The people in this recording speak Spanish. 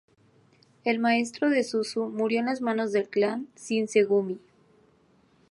El maestro de Suzu murió de las manos del clan Shinsengumi.